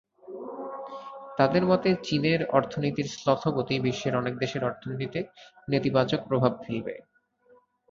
তাঁদের মতে, চীনের অর্থনীতির শ্লথগতি বিশ্বের অনেক দেশের অর্থনীতিতে নেতিবাচক প্রভাব ফেলবে।